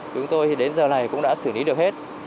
chúng tôi đến giờ này cũng đã xử lý được hết